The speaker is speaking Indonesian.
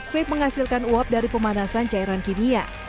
vape menghasilkan uap dari pemanasan cairan kimia